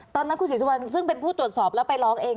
ตอนนั้นคุณศรีสุวรรณซึ่งเป็นผู้ตรวจสอบแล้วไปร้องเอง